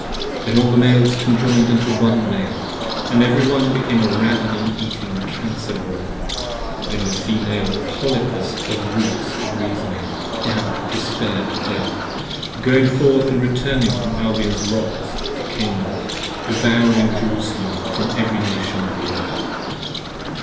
p. 69 THEN all the Males conjoined into One Male, & every one Became a ravening eating Cancer growing in the Female, A Polypus of Roots of Reasoning, Doubt, Despair & Death, Going forth & returning from Albion's Rocks to Canaan: 5 Devouring Jerusalem from every Nation of the Earth.